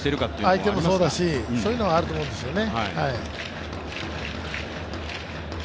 相手もそうだし、そういうのはあると思いますね。